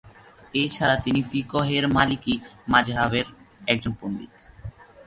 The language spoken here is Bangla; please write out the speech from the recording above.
এছাড়া তিনি ফিকহের মালিকি মাজহাবের একজন পণ্ডিত।